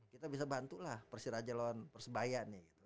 kita bisa bantulah persiraja lawan persebaya